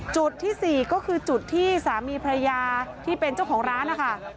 จุดที่๔ก็คือจุดที่สามีภรรยาที่เป็นเจ้าของร้านนะคะ